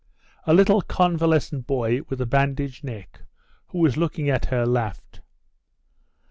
A little convalescent boy with a bandaged neck, who was looking at her, laughed.